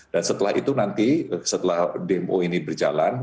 dan setelah itu nanti setelah dmo ini berjalan